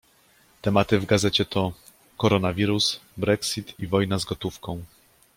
Tematy w gazecie to: Koronawirus, Brexit i wojna z gotówką.